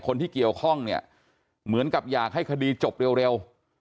คนที่เกี่ยวข้องเนี่ยเหมือนกับอยากให้คดีจบเร็ว